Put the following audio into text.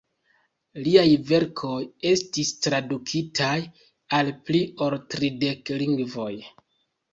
Liaj verkoj estis tradukitaj al pli ol tridek lingvoj.